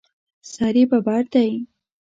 سر یې ببر دی.